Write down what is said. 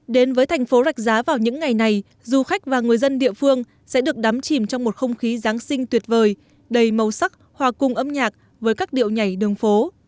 đến với thành phố rạch giá vào những ngày này du khách và người dân địa phương sẽ được đắm chìm trong một không khí giáng sinh tuyệt vời đầy màu sắc hòa cùng âm nhạc với các điệu nhảy đường phố